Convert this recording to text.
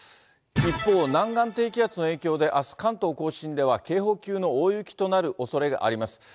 一方、南岸低気圧の影響で、あす、関東甲信では警報級の大雪となるおそれがあります。